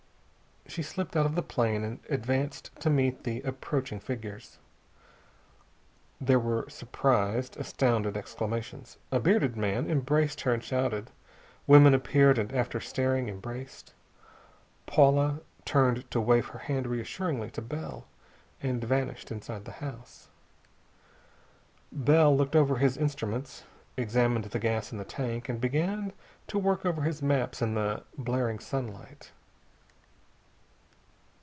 She slipped out of the plane and advanced to meet the approaching figures. There were surprised, astounded exclamations: A bearded man embraced her and shouted. Women appeared and, after staring, embraced. Paula turned to wave her hand reassuringly to Bell, and vanished inside the house. Bell looked over his instruments, examined the gas in the tank, and began to work over his maps in the blaring sunlight.